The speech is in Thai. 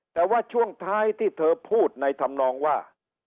แต่ว่าช่วงท้ายที่เธอพูดในธรรมนองว่า